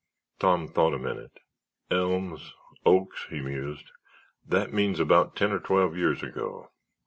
Tom thought a minute. "Elms, oaks," he mused, "that means about ten or twelve years ago."